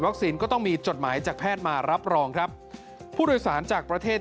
ก็ต้องมีจดหมายจากแพทย์มารับรองครับผู้โดยสารจากประเทศ